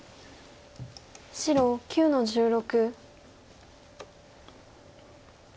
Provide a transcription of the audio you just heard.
白９の十六。